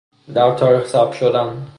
در تاریخ ثبت شدن